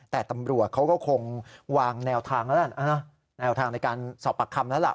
แต่ตำรวจเขาก็คงวางแนวทางแล้วล่ะแนวทางในการสอบปากคำแล้วล่ะ